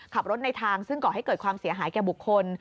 ขับรถในทางซึ่งก่อให้เกิดความเสียหายแก่บุคคล